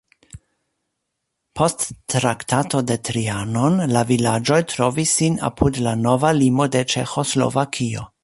Post Traktato de Trianon la vilaĝoj trovis sin apud la nova limo de Ĉeĥoslovakio.